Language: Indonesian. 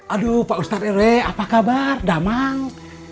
aduh pak ustadz r w apa kabar damang